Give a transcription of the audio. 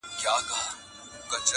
اوس یې خلګ پر دې نه دي چي حرام دي،